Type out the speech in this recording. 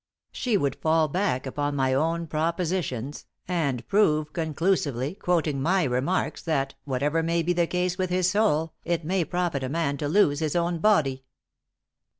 She would fall back upon my own propositions and prove conclusively, quoting my remarks, that, whatever may be the case with his soul, it may profit a man to lose his own body.